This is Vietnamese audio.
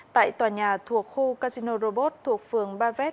tại tòa nhà thuộc khu casino robot thuộc phường ba vét